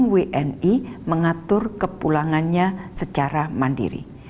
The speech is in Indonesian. delapan wni mengatur kepulangannya secara mandiri